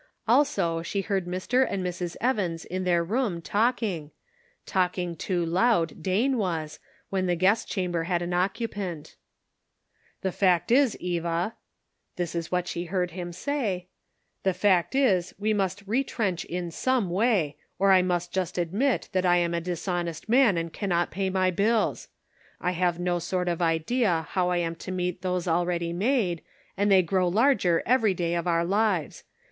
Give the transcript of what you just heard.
Also, she heard Mr. and Mrs. Evans in their room talking — talking too loud, Dane was, when the guest chamber had an occupant. 284 The Pocket Measure. " The fact is Eva "— this was what she heard him say — "the fact is that we must retrench in some way, or I must just admit that I am a dishonest man and can not pay my bills. I have no sort of idea how I am to meet those already made, and they grow larger every day of our lives.